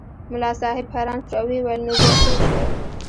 ملا صاحب حیران شو او ویې ویل نو بیا څه وشول.